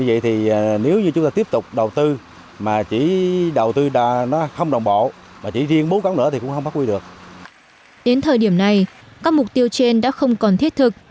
đến thời điểm này các mục tiêu trên đã không còn thiết thực